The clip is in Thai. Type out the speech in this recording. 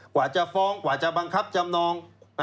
กว่าจะฟ้องกว่าจะบังคับจำนอง